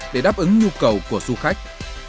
để đáp ứng nhu cầu của du khách